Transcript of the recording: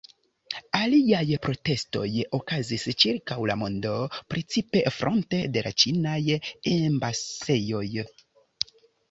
Aliaj protestoj okazis ĉirkaŭ la mondo, precipe fronte de la ĉinaj embasejoj.